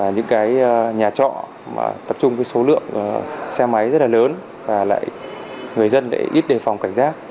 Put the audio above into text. những nhà trọ tập trung số lượng xe máy rất lớn người dân ít đề phòng cảnh giác